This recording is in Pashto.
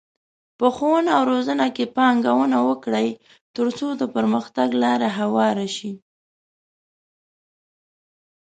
په ښوونه او روزنه کې پانګونه وکړئ، ترڅو د پرمختګ لاره هواره شي.